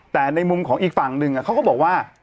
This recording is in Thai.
แต่ในมุมของอีกฝั่งหนึ่งเขาก็บอกว่า